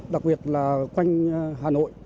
đặc biệt là quanh hà nội